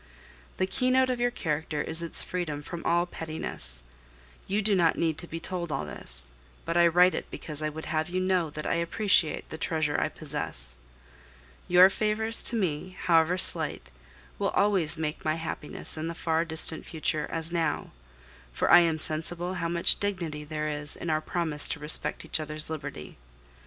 The keynote of your character is its freedom from all pettiness. You do not need to be told all this; but I write it because I would have you know that I appreciate the treasure I possess. Your favors to me, however slight, will always make my happiness in the far distant future as now; for I am sensible how much dignity there is in our promise to respect each other's liberty.